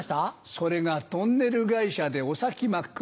それがトンネル会社でお先真っ暗。